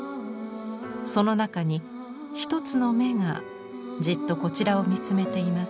その中に一つの眼がじっとこちらを見つめています。